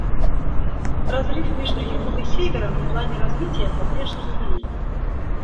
Разрыв между Югом и Севером в плане развития по-прежнему велик.